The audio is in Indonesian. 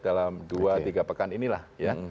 dalam dua tiga pekan inilah ya